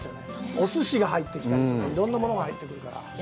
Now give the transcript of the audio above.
おすしが入ってきたりとか、いろんなものが入ってくるから。